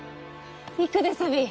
行くでサビー。